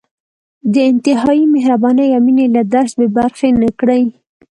د انتهايي مهربانۍ او مېنې له درس بې برخې نه کړي.